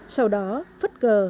sau đó phất cờ